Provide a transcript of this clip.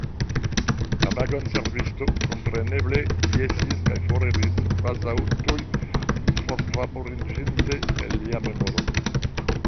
La vagonservisto kompreneme jesis kaj foriris, kvazaŭ tuj forvaporiĝinte el lia memoro.